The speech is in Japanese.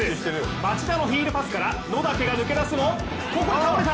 町田のヒールパスから野嶽が抜け出すも、倒れた。